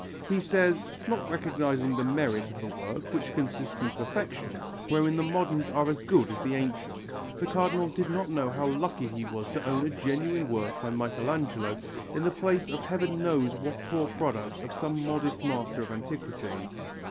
He says: "Not recognizing the merit of the work, which consists in perfection, wherein the moderns are as good as the ancients," the Cardinal did not know how lucky he was to own a genuine work by Michelangelo in the place of heaven knows what poor product of some modest master of antiquity.